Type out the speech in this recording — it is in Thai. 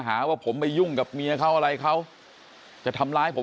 หาว่าผมไปยุ่งกับเมียเขาอะไรเขาจะทำร้ายผม